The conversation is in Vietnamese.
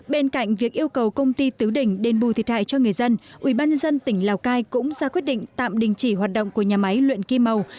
bên cạnh việc yêu cầu công ty tứ đỉnh đền bù thiệt hại cho người dân ủy ban nhân dân tỉnh lào cai cũng ra quyết định tạm đình chỉ hoạt động của nhà máy luyện kim màu